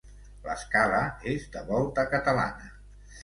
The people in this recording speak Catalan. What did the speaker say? L'escala és de volta catalana.